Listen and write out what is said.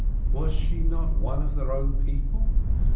Was she not one of their own people?